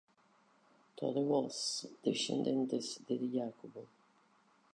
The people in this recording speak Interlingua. Tote vos, descendentes de Jacobo.